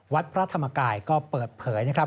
วัดพระธรรมกายก็เปิดเผยว่า